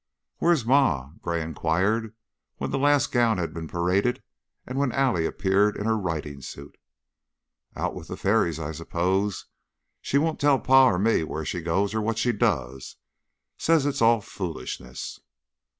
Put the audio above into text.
"Where is Ma?" Gray inquired, when the last gown had been paraded and when Allie appeared in her riding suit. "Out with the fairies, I suppose. She won't tell Pa or me where she goes or what she does says it's all foolishness."